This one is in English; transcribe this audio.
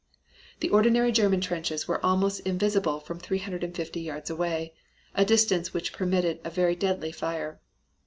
The ordinary German trenches were almost invisible from 350 yards away, a distance which permitted a very deadly fire.